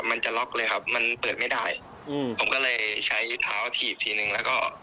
มันจะล็อกเลยครับมันเปิดไม่ได้อืมผมก็เลยใช้เท้าถีบทีนึงแล้วก็